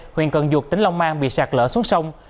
huyện cần duột tỉnh long mang bị sạt lỡ xuống sông